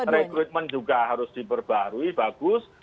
rekrutmen juga harus diperbarui bagus